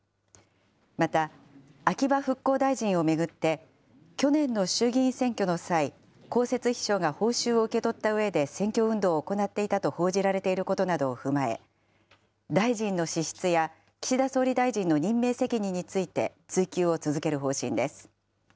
また、秋葉復興大臣を巡って、去年の衆議院選挙の際、公設秘書が報酬を受け取ったうえで選挙運動を行っていたと報じられていることなどを踏まえ、大臣の資質や、岸田総理大臣の任命責任について、追及を続ける方針です。